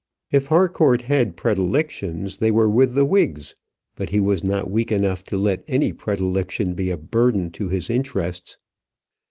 If Harcourt had predilections, they were with the Whigs; but he was not weak enough to let any predilection be a burden to his interests.